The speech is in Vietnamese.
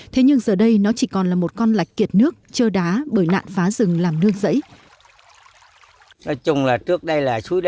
thế nhưng giờ đây nó chỉ còn là một con lạch kiệt nước chơ đá bởi nạn phá rừng làm nương rẫy